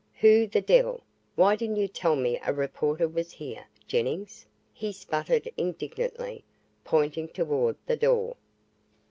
"Who the devil why didn't you tell me a reporter was here, Jennings?" he sputtered indignantly, pointing toward the door.